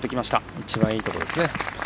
一番、いいところですね。